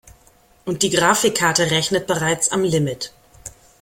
Und die Grafikkarte rechnet bereits am Limit.